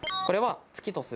これは。